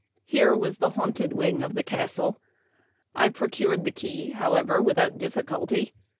Here was the haunted wing of the castle. I procured the key, however, without difficulty.